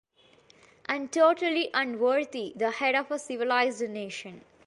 and totally unworthy the Head of a civilized nation.